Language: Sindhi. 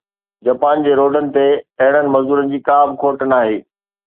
جپان جي روڊن تي اهڙن مزدورن جي ڪا به کوٽ ناهي